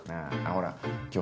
ほら今日